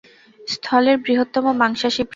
স্থলের বৃহত্তম মাংসাশী প্রাণী।